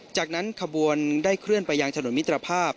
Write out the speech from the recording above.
จากนั้นขบวนได้เคลื่อนไปยังถนนมิตรภาพ